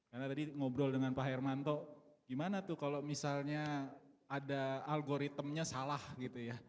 karena tadi ngobrol dengan pak hermanto gimana tuh kalau misalnya ada algoritmnya salah gitu ya